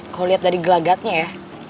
kalo liat dari gelagatnya ya